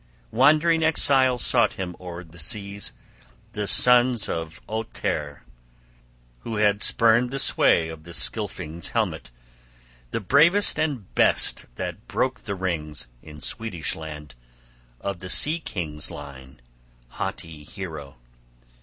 Wandering exiles sought him o'er seas, the sons of Ohtere, who had spurned the sway of the Scylfings' helmet, the bravest and best that broke the rings, in Swedish land, of the sea kings' line, haughty hero.